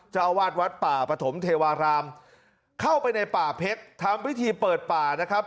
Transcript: เจ้าอาวาสวัดป่าปฐมเทวารามเข้าไปในป่าเพชรทำพิธีเปิดป่านะครับ